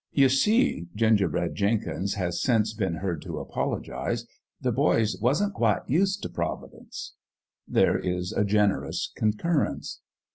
" You see," Gingerbread Jenkins has since been heard to apologize, " the boys wasn't quite used t' Providence." There is a generous concurrence.